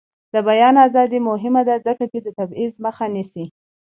د بیان ازادي مهمه ده ځکه چې د تبعیض مخه نیسي.